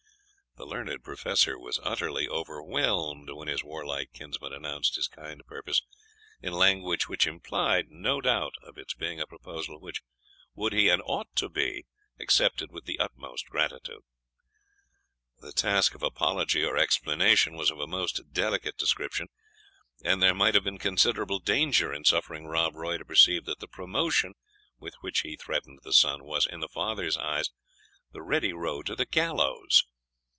The learned Professor was utterly overwhelmed when his warlike kinsman announced his kind purpose in language which implied no doubt of its being a proposal which, would be, and ought to be, accepted with the utmost gratitude. The task of apology or explanation was of a most delicate description; and there might have been considerable danger in suffering Rob Roy to perceive that the promotion with which he threatened the son was, in the father's eyes, the ready road to the gallows.